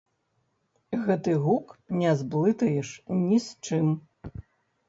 Гэты гук не зблытаеш ні з чым.